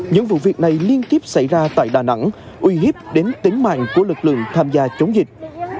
những vụ việc này liên tiếp xảy ra tại đà nẵng uy hiếp đến tính mạng của lực lượng tham gia chống dịch